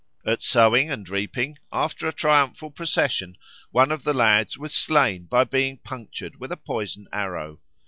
At sowing and reaping, after a triumphal procession, one of the lads was slain by being punctured with a poisoned arrow.